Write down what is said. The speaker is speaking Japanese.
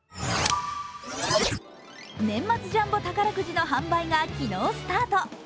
年末ジャンボ宝くじの販売が昨日スタート。